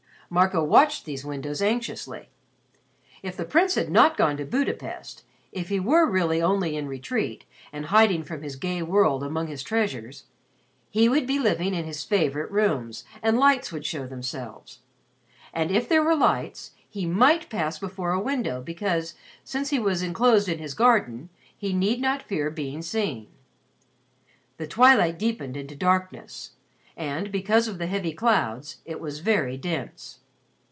Marco watched these windows anxiously. If the Prince had not gone to Budapest, if he were really only in retreat, and hiding from his gay world among his treasures, he would be living in his favorite rooms and lights would show themselves. And if there were lights, he might pass before a window because, since he was inclosed in his garden, he need not fear being seen. The twilight deepened into darkness and, because of the heavy clouds, it was very dense.